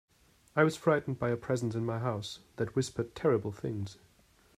I was frightened by a presence in my house that whispered terrible things.